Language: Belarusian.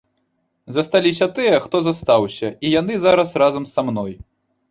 Засталіся тыя, хто застаўся, і яны зараз разам са мной.